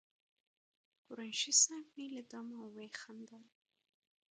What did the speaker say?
قریشي صاحب ولیدم او وخندل.